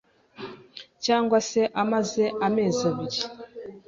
cyangwa se umaze amezi abiri